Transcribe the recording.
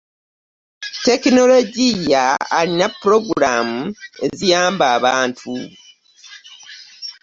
tekinologiya alina pulogulaamu eziyamba abantu .